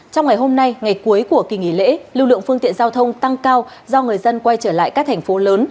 trong ngày hôm nay ngày cuối của kỳ nghỉ lễ lưu lượng phương tiện giao thông tăng cao do người dân quay trở lại các thành phố lớn